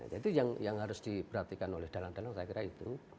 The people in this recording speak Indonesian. jadi yang harus diperhatikan oleh dalang dalang saya kira itu